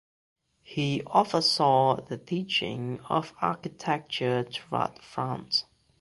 He oversaw the teaching of architecture throughout France.